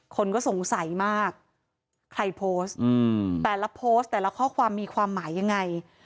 คนก็สงสัยมากใครโพสต์แต่ละโพสต์แต่ละข้อความมีความหมายยังไง